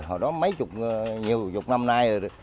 hồi đó mấy chục nhiều chục năm nay